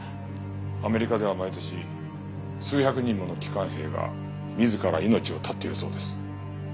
アメリカでは毎年数百人もの帰還兵が自ら命を絶っているそうです。